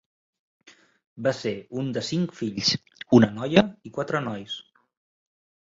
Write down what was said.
Va ser un de cinc fills, una noia i quatre nois.